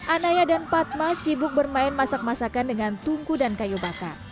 anaya dan padma sibuk bermain masak masakan dengan tungku dan kayu bakar